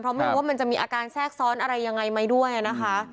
เพราะไม่รู้ว่ามันจะมีอาการแทรกซ้อนอะไรยังไงไหมด้วยนะคะ